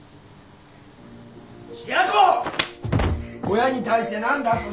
親に対して何だその目は。